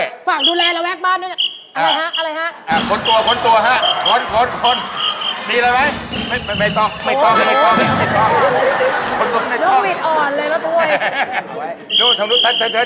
ขอบคุณมากครับปากเนี่ยฝากลงไว้ด้วย